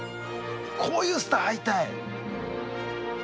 こういうスター会いたい。